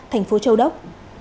thành phố châu đốc